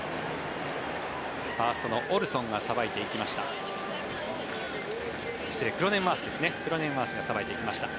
ファーストのクロネンワースがさばいていきました。